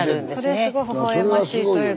それすごいほほ笑ましいというか。